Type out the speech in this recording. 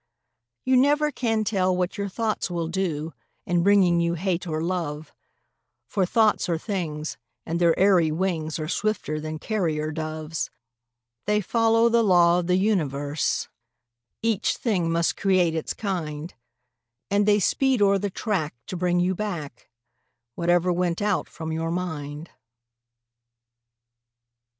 You never can tell what your thoughts will do, In bringing you hate or love; For thoughts are things, and their airy wings Are swifter than carrier doves. They follow the law of the universe— Each thing must create its kind; And they speed o'er the track to bring you back Whatever went out from your mind.